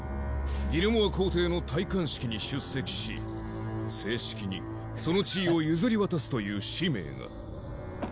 ギルモア皇帝の戴冠式に出席し正式にその地位を譲り渡すという使命が。